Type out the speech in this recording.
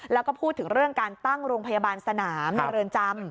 แล้วก็พูดถึงเรื่องการตั้งโรงพยาบาลสนามในเรือนจำ